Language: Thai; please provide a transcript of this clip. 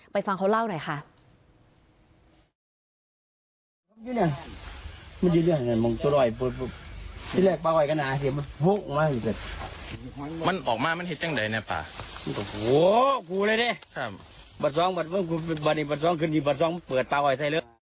ฟังเขาเล่าหน่อยค่ะ